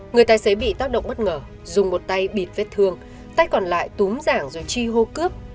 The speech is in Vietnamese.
người tài xế bị tác động bất ngờ dùng một tay bịt vết thương tay còn lại túm giảng rồi chi hô cướp